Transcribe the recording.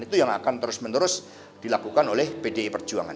itu yang akan terus menerus dilakukan oleh pdi perjuangan